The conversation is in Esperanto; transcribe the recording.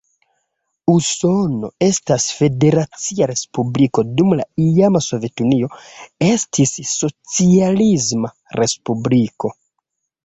Usono estas federacia respubliko, dum la iama Sovetunio estis socialisma respubliko.